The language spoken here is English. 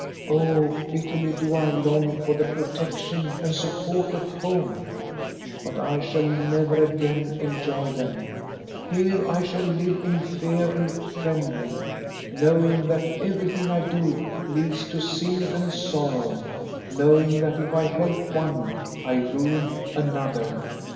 Oh, bitterly do I long for the protection and support of home ; but I shall never again enjoy them. Here I shall live in fear and trembling, knowing that everything I do leads to sin and sorrow, knowing that if I help one, I ruin another.